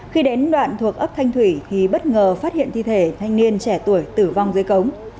khi đến đoạn thuộc ấp thanh thủy thì bất ngờ phát hiện thi thể thanh niên trẻ tuổi tử vong dưới cống